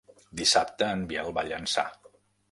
Dissabte en Biel va a Llançà.